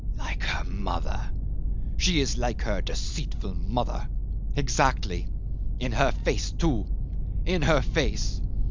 "Like her mother she is like her deceitful mother. Exactly. In her face, too. In her face.